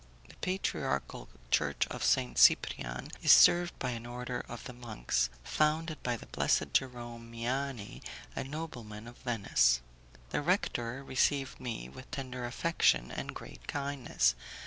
The patriarchal church of Saint Cyprian is served by an order of the monks, founded by the blessed Jerome Miani, a nobleman of Venice. The rector received me with tender affection and great kindness.